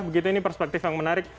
begitu ini perspektif yang menarik